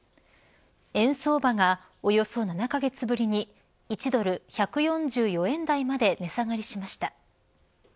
円相場がおよそ７カ月ぶりに１ドル１４４円台まで値下がりしました。